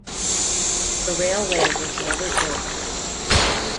The railway was never built.